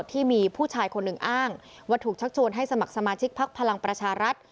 ที่มีผู้ชายคนหนึ่งอ้างว่าถูกชักชวนให้สมัครสมาชิกพักพลังประชารัฐ